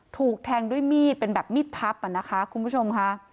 ถูกแทงด้วยมีดเป็นแบบมีดพับอ่ะนะคะคุณผู้ชมค่ะ